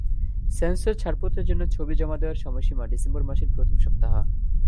Sensor ছাড়পত্রের জন্য ছবি জমা দেওয়ার সময়সীমা ডিসেম্বর মাসের প্রথম সপ্তাহ।